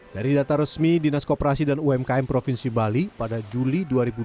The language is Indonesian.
dari data resmi dinas koperasi dan umkm provinsi bali pada juli dua ribu dua puluh